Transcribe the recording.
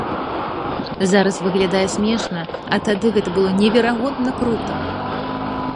Зараз выглядае смешна, а тады гэта было неверагодна крута!